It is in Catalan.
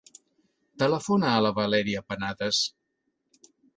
Telefona a la Valèria Penades.